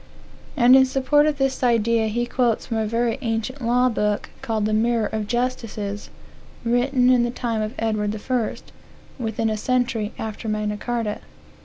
And in support of this idea he quotes from a very ancient law book, called the Mirror of Justices, written in the time of Edward I., within a century after Magna Carta.